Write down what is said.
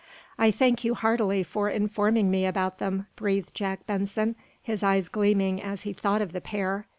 "I thank you heartily for informing me about them," breathed Jack Benson, his eyes gleaming as he thought of the pair.